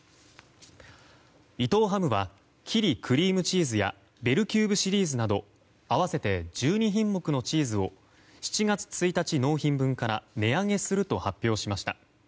伊藤ハムはキリクリームチーズやベルキューブシリーズなど合わせて１２品目のチーズを７月１日納品分から値上げすると発表しました。